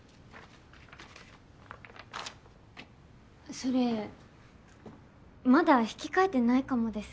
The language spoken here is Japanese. それまだ引き換えてないかもです。